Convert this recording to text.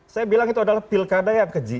saya bilang itu adalah pilkada yang keji